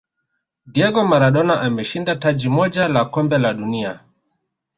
diego maradona ameshinda taji moja la kombe la dunia